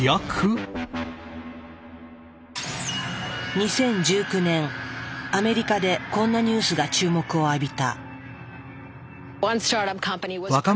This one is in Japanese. ２０１９年アメリカでこんなニュースが注目を浴びた。